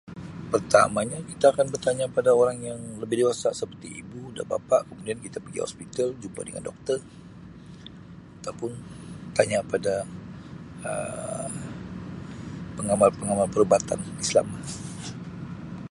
Pertamanya kita akan bertanya pada orang yang lebih dewasa seperti ibu dan bapa kemudian kita pigi hospital jumpa dengan doktor atau pun tanya pada Um pengamal-pengamal perubatan Um Islam.